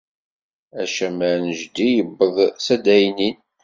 Acamar n jeddi yewweḍ s addaynin.